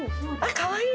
かわいい。